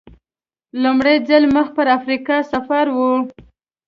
لومړی ځل مخ پر افریقا سفر و.